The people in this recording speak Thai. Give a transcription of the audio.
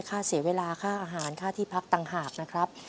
ค่าเสียเวลาค่าอาหารค่าที่พักต่างหากนะครับ